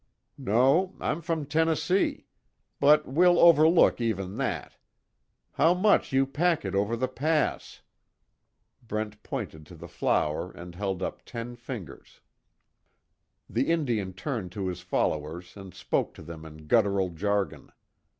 "No I'm from Tennessee. But we'll overlook even that. How much you pack it over the pass." Brent pointed to the flour and held up ten fingers. The Indian turned to his followers and spoke to them in guttural jargon.